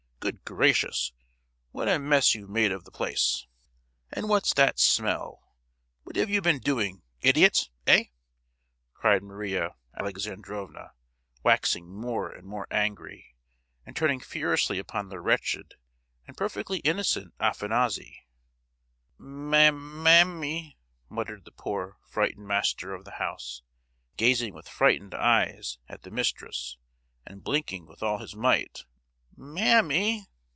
Good gracious, what a mess you've made of the place; and what's the smell—what have you been doing, idiot, eh!" cried Maria Alexandrovna, waxing more and more angry, and turning furiously upon the wretched and perfectly innocent Afanassy! "Mam—mammy!" muttered the poor frightened master of the house, gazing with frightened eyes at the mistress, and blinking with all his might—"mammy!"